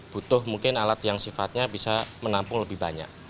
butuh mungkin alat yang sifatnya bisa menampung lebih banyak